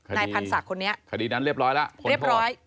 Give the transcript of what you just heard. คดีนั้นเรียบร้อยแล้วพ้นโทษนายพันศักดิ์คนนี้